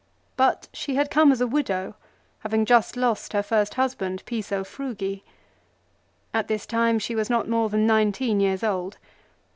But she had come as a widow, having just lost her first husband, Piso Frugi. At this time she was not more than nineteen years old.